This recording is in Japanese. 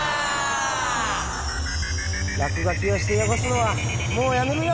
らくがきをしてよごすのはもうやめるよ。